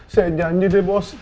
saya janji deh bos